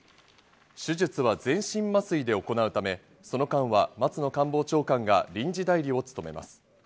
手術は全身麻酔で行うため、その間は松野官房長官が臨時代理を務めます。